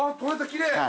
きれい。